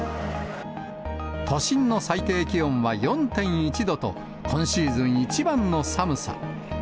都心の最低気温は４．１度と、今シーズン一番の寒さ。